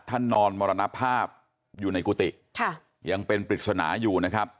นอนมรณภาพอยู่ในกุฏิค่ะยังเป็นปริศนาอยู่นะครับ